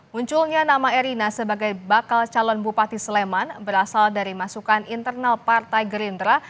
munculnya nama erina sebagai bakal calon bupati sleman berasal dari masukan internal partai gerindra